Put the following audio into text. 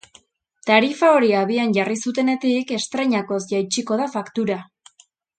Tarifa hori abian jarri zutenetik estreinakoz jaitsiko da faktura.